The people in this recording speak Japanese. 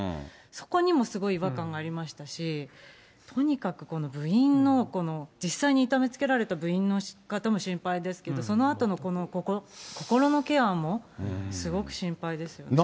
そこにもすごい違和感がありましたし、とにかくこの部員の実際に痛めつけられた部員の方も心配ですけど、そのあとの心のケアもすごく心配ですよね。